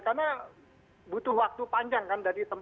karena butuh waktu panjang kan dari teluk